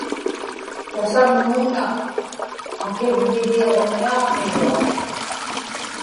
tasaŋmuuna qakirviḷiuġniaġniruaq